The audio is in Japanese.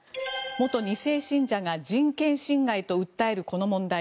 元２世信者が人権侵害と訴えるこの問題。